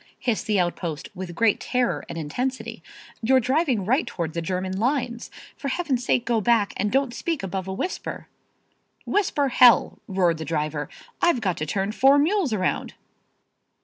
hissed the outpost with great terror and intensity. "You're driving right toward the German lines. For Heaven's sake go back and don't speak above a whisper." "Whisper, Hell!" roared the driver. "I've got to turn four mules around."